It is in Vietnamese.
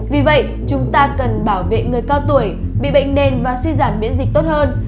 vì vậy chúng ta cần bảo vệ người cao tuổi bị bệnh nền và suy giảm miễn dịch tốt hơn